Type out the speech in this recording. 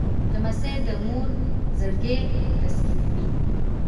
لمسی د مور زړګی تسکینوي.